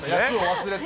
忘れて。